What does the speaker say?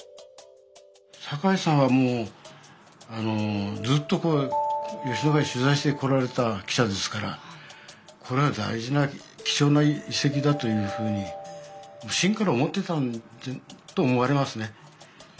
坂井さんはもうずっと吉野ヶ里取材してこられた記者ですからこれは大事な貴重な遺跡だというふうにしんから思ってたと思われますね。